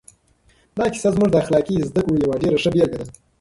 دا کیسه زموږ د اخلاقي زده کړو یوه ډېره ښه بېلګه ده.